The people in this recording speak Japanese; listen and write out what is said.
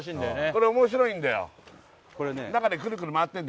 これ面白いんだよ